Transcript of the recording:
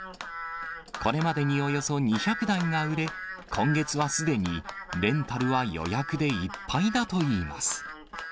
これまでにおよそ２００台が売れ、今月はすでにレンタルは予約でいっぱいだといいます。